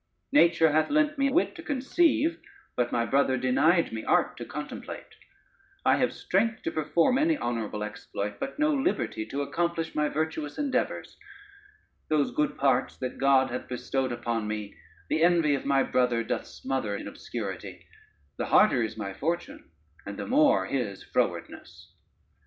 Nature hath lent me wit to conceive, but my brother denied me art to contemplate: I have strength to perform any honorable exploit, but no liberty to accomplish my virtuous endeavors: those good parts that God hath bestowed upon me, the envy of my brother doth smother in obscurity; the harder is my fortune, and the more his frowardness."